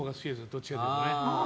どっちかっていうとね。